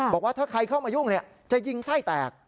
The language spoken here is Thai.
บอกว่าถ้าใครเข้ามายุ่งจะยิงไส้แตก